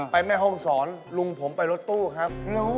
ไปแม่โครงสรรค์ลุงผมไปรถตู้ครับ